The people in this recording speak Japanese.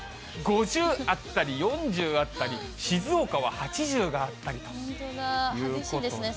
５０あったり、４０あったり、静岡は８０があったりということで。